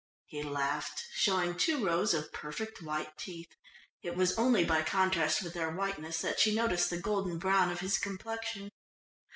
He laughed, showing two rows of perfect white teeth. It was only by contrast with their whiteness that she noticed the golden brown of his complexion.